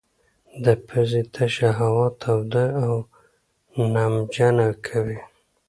د پزې تشه هوا توده او نمجنه کوي.